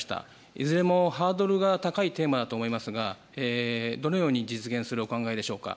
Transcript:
いずれもハードルが高いテーマだと思いますが、どのように実現するお考えでしょうか。